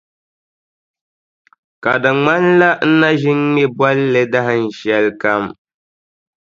Ka di ŋmanila n na ʒi n-ŋme bolli dahinshɛli kam.